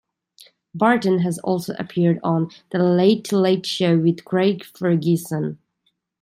Burton has also appeared on "The Late Late Show with Craig Ferguson".